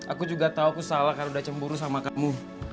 aku juga tahu aku salah karena udah cemburu sama kamu